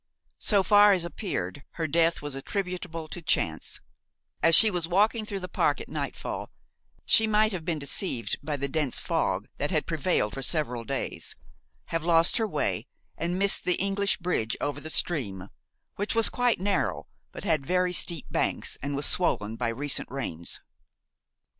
So far as appeared, her death was attributable to chance; as she was walking through the park at nightfall, she might have been deceived by the dense fog that had prevailed for several days, have lost her way and missed the English bridge over the stream, which was quite narrow but had very steep banks and was swollen by recent rains.